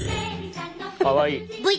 かわいい。